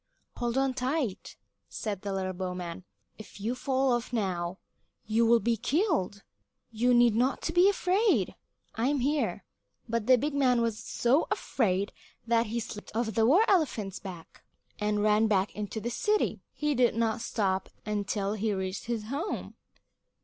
"Hold on tight," said the little bowman. "If you fall off now, you will be killed. You need not be afraid; I am here." But the big man was so afraid that he slipped down off the war elephant's back, and ran back into the city. He did not stop until he reached his home.